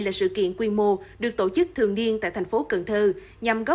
là sự kiện quy mô được tổ chức thường niên tại thành phố cần thơ